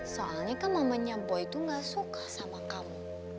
soalnya kan mamanya boy itu enggak suka sama kamu